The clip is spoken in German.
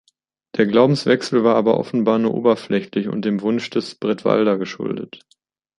Der Glaubenswechsel war aber offenbar nur oberflächlich und dem Wunsch des Bretwalda geschuldet.